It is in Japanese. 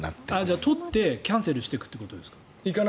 じゃあ取ってキャンセルしていくということですか？